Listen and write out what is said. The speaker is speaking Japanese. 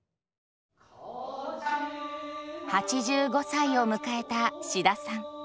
８５歳を迎えた志田さん。